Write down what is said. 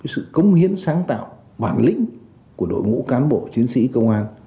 sự cống hiến sáng tạo bản lĩnh của đội ngũ cán bộ chiến sĩ công an